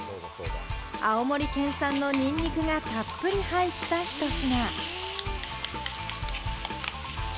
青森県産のニンニクがたっぷり入ったひと品。